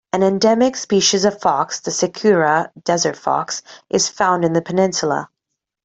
An endemic species of fox, the Sechura desert fox is found in the peninsula.